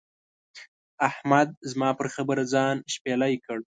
احمد زما پر خبره ځان شپېلی کړ.